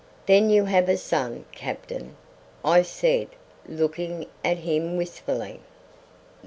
"Then you have a son, captain?" I said, looking at him wistfully.